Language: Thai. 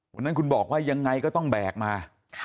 วันนั้นคุณบอกว่ายังไงก็ต้องแบกมา